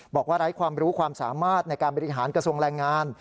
ไร้ความรู้ความสามารถในการบริหารกระทรวงแรงงาน